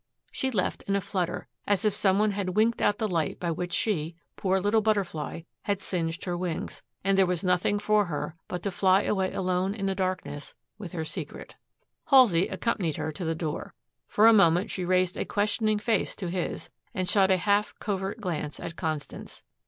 She left in a flutter, as if some one had winked out the light by which she, poor little butterfly, had singed her wings, and there was nothing for her but to fly away alone in the darkness with her secret. Halsey accompanied her to the door. For a moment she raised a questioning face to his, and shot a half covert glance at Constance.